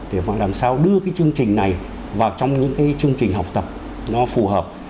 để mà làm sao đưa cái chương trình này vào trong những cái chương trình học tập nó phù hợp